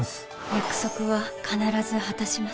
「約束は必ず果たします」